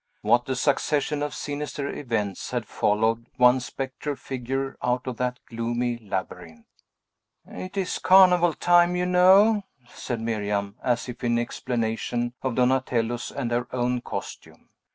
What a succession of sinister events had followed one spectral figure out of that gloomy labyrinth. "It is carnival time, you know," said Miriam, as if in explanation of Donatello's and her own costume.